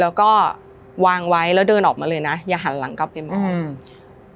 แล้วก็วางไว้แล้วเดินออกมาเลยนะอย่าหันหลังกลับไปมองอืม